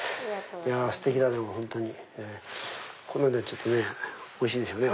ステキだ本当にこんなのでおいしいでしょうね。